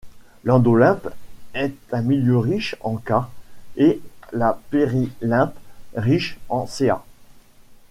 L'endolymphe est un milieu riche en K et la périlymphe riche en Ca.